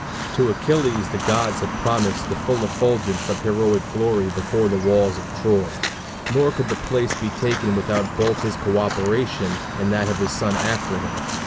To Achilles the gods had promised the full effulgence of heroic glory before the walls of Troy; nor could the place be taken without both his coöperation and that of his son after him.